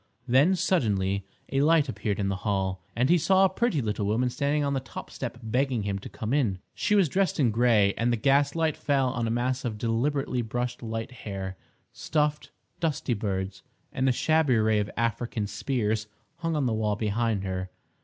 Then, suddenly, a light appeared in the hall, and he saw a pretty little woman standing on the top step begging him to come in. She was dressed in grey, and the gaslight fell on a mass of deliberately brushed light hair. Stuffed, dusty birds, and a shabby array of African spears, hung on the wall behind her.